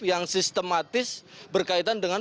yang sistematis berkaitan dengan